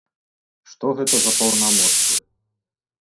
Што гэта за паўнамоцтвы?